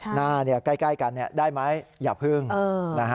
หน้าใกล้กันได้ไหมอย่าพึ่งนะฮะ